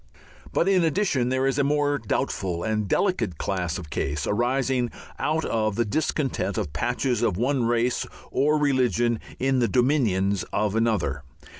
But in addition there is a more doubtful and delicate class of case, arising out of the discontent of patches of one race or religion in the dominions of another.